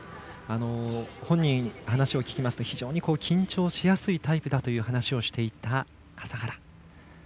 本人に話を聞きますと非常に緊張しやすいタイプだという話をしていた笠原。